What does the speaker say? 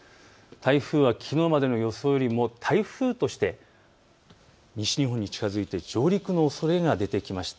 台風はきのうまでの予想よりも台風として西日本に近づいて上陸のおそれが出てきました。